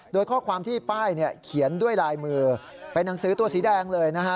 โดยข้อความที่ป้ายเนี่ยเขียนด้วยลายมือเป็นหนังสือตัวสีแดงเลยนะฮะ